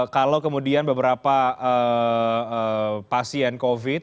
kalau kemudian beberapa pasien covid